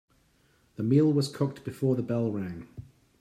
The meal was cooked before the bell rang.